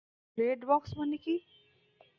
Red box মানে কী?